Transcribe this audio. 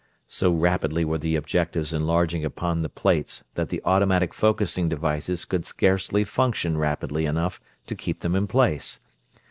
So rapidly were the objectives enlarging upon the plates that the automatic focusing devices could scarcely function rapidly enough to keep them in place.